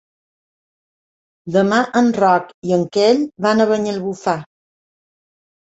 Demà en Roc i en Quel van a Banyalbufar.